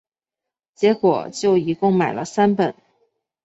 结果就一共买了三本